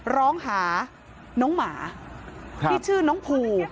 ร้องหาน้องหมาที่ชื่อน้องภู